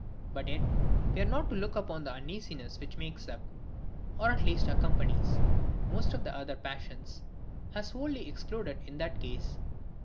But yet we are not to look upon the uneasiness which makes up, or at least accompanies, most of the other passions, as wholly excluded in the case.